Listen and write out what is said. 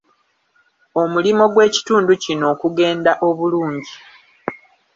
Omulimo gw'ekitundu kino okugenda obulungi.